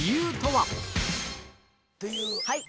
はい！